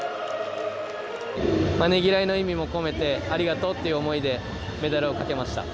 ねぎらいの意味も込めて、ありがとうっていう思いでメダルをかけました。